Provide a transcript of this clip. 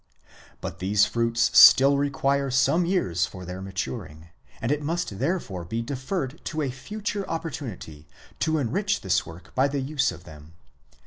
But these fruits still require some years for their maturing ; and it must therefore be deferred to a future opportunity to enrich this work by the use of them.